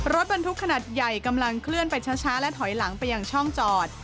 รถบรรทุกขนาดใหญ่กำลังเคลื่อนไปช้าและถอยหลังไปยังช่องจอด